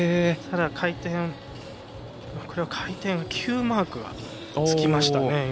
ただ回転ｑマークはつきましたね。